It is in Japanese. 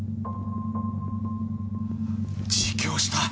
自供した。